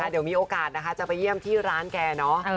เดี๋ยวมีโอกาสจะไปเยี่ยมที่ร้านแก